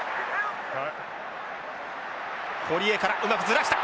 堀江からうまくずらした。